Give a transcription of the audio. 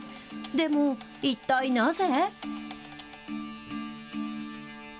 でも、一体なぜ？